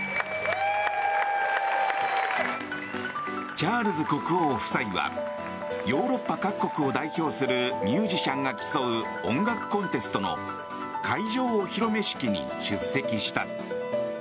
チャールズ国王夫妻はヨーロッパ各国を代表するミュージシャンが競う音楽コンテストの会場お披露目式に出席した。